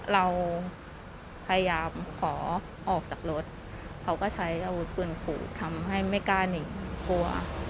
เราพยายามขอออกจากรถเขาก็ใช้อาวุธปืนขู่ทำให้ไม่กล้าหนีกลัว